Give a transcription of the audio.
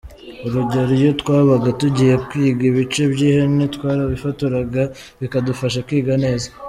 Urugero, iyo twabaga tugiye kwiga ibice by’ihene twarayifotoraga bikadufasha kwiga neza”.